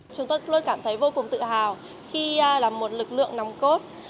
chúng tôi luôn cảm thấy vô cùng tự hào khi là một lực lượng nòng cốt